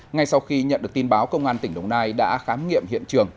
ngay sau khi nhận được tin báo công an tỉnh đồng nai đã khám nghiệm hiện trường